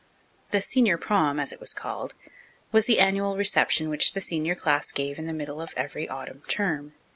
The "senior prom," as it was called, was the annual reception which the senior class gave in the middle of every autumn term.